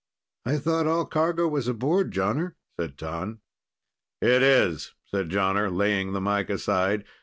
"I thought all cargo was aboard, Jonner," said T'an. "It is," said Jonner, laying the mike aside.